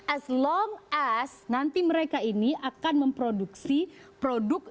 as long as nanti mereka ini akan memproduksi produk